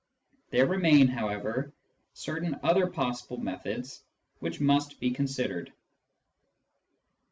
There remain, however, certain other possible methods which must be considered.